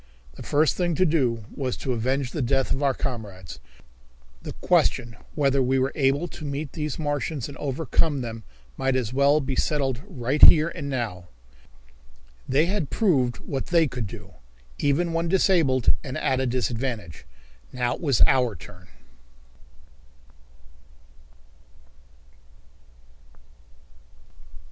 The first thing to do was to avenge the death of our comrades. The question whether we were able to meet these Martians and overcome them might as well be settled right here and now. They had proved what they could do, even when disabled and at a disadvantage. Now it was our turn.